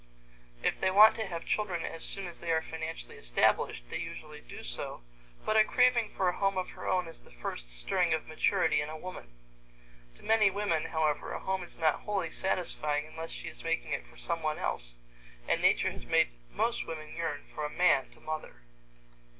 If they want to have children as soon as they are financially established, they usually do so, but a craving for a home of her own is the first stirring of maturity in a woman. To many women, however, a home is not wholly satisfying unless she is making it for someone else, and nature has made most women yearn for a man to mother.